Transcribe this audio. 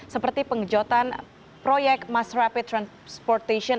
seperti pengejotan proyek mass rapid transportation